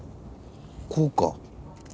こうか。